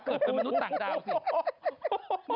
เกิดเป็นมนุษย์ต่างดาวสิ